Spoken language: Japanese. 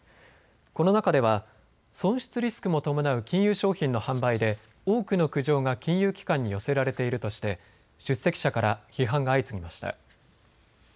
この中では損失リスクも伴う金融商品の販売で多くの苦情が金融機関に寄せられているとして出席者から批判が相次ぎました。